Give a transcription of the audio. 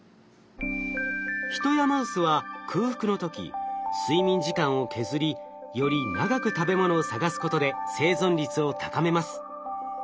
ヒトやマウスは空腹の時睡眠時間を削りより長く食べ物を探すことで生存率を高めます。